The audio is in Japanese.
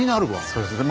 そうですね。